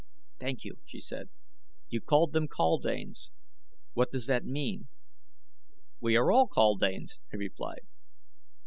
"Thank you," she said. "You called them kaldanes what does that mean?" "We are all kaldanes," he replied.